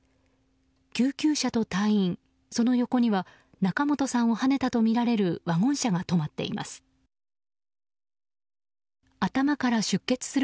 救急車と隊員、その横には仲本さんをはねたとみられるワゴン車が止まっています。